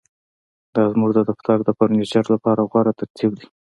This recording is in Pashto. دا زموږ د دفتر د فرنیچر لپاره غوره ترتیب دی